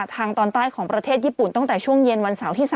ทางตอนใต้ของประเทศญี่ปุ่นตั้งแต่ช่วงเย็นวันเสาร์ที่๓